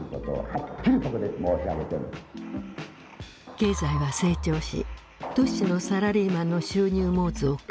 経済は成長し都市のサラリーマンの収入も増加。